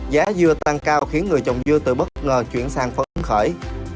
giá dưa tăng cao khiến người trồng dưa tự bất ngờ chuyển sang phấn khởi